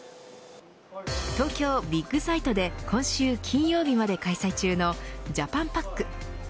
東京ビッグサイトで今週金曜日まで開催中のＪＡＰＡＮＰＡＣＫ。